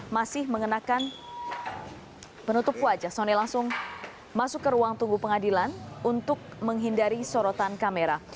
masih mengenakan penutup wajah sonny langsung masuk ke ruang tunggu pengadilan untuk menghindari sorotan kamera